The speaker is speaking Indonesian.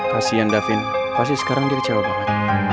kasian davin pasti sekarang dia kecewa banget